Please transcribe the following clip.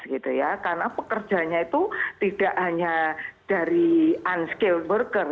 karena pekerjanya itu tidak hanya dari unskilled worker